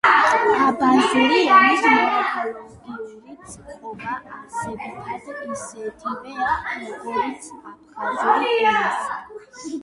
აბაზური ენის მორფოლოგიური წყობა არსებითად ისეთივეა, როგორიც აფხაზური ენისა.